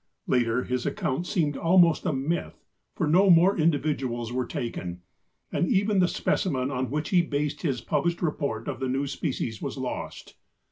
Later, his account seemed almost a myth, for no more individuals were taken, and even the specimen on which he based his published report of the new species was lost.